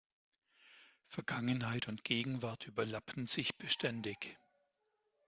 Vergangenheit und Gegenwart überlappen sich beständig.